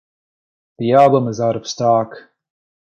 The album is out of stock.